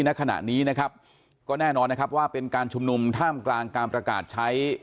ณขณะนี้นะครับก็แน่นอนนะครับว่าเป็นการชุมนุมท่ามกลางการประกาศใช้